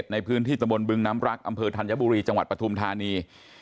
ในพื้นที่ตะบนบึงน้ำรักอำเภอธัญบุรีจังหวัดปฐุมธานี